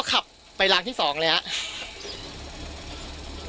ขับไปรางที่๒เลยครับ